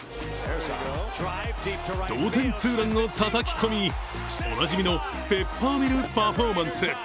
同点ツーランをたたき込み、おなじみのペッパーミルパフォーマンス。